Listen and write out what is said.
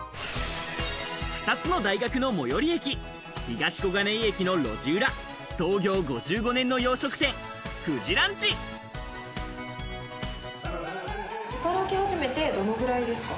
２つの大学の最寄り駅、東小金井駅の路地裏、創業５５年の洋食店働き始めてどのくらいですか？